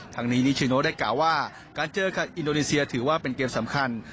ทางนี้นิชิโนได้กล่าวว่าการเจอกับอินโดนีเซียถือว่าเป็นเกมสำคัญ